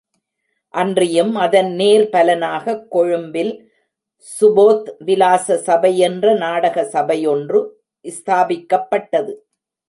அன்றியும் அதன் நேர்பலனாகக் கொழும்பில், சுபோத் விலாச சபையென்ற நாடக சபையொன்று ஸ்தாபிக்கப்பட்டது.